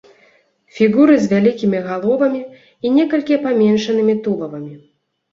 Фігуры з вялікімі галовамі і некалькі паменшанымі тулавамі.